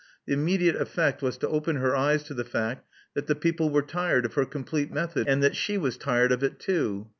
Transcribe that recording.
The immediate effect was to open her eyes to the fact that the people were tired of her complete method, and that she was tired of it too.